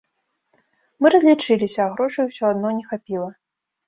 Мы разлічыліся, а грошай усё адно не хапіла.